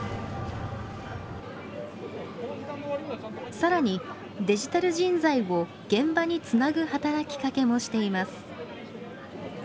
さらに、デジタル人材を現場につなぐ働きかけもしています。